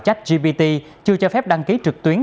chách gbt chưa cho phép đăng ký trực tuyến